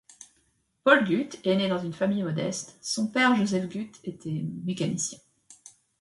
Paul Guth est né dans une famille modeste, son père Joseph Guth était mécanicien.